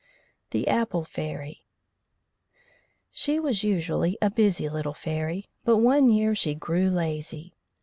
THE APPLE FAIRY She was usually a busy little fairy, but one year she grew lazy.